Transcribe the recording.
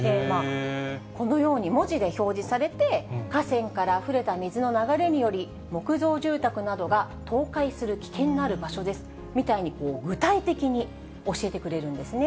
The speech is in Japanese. このように文字で表示されて、河川からあふれた水の流れにより、木造住宅などが倒壊する危険がある場所です、みたいに具体的に教えてくれるんですね。